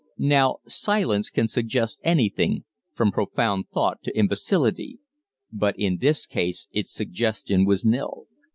Now, silence can suggest anything, from profound thought to imbecility; but in this case its suggestion was nil.